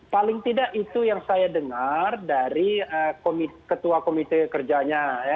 paling tidak itu yang saya dengar dari ketua komite kerjanya